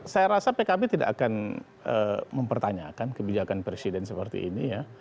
saya rasa pkb tidak akan mempertanyakan kebijakan presiden seperti ini ya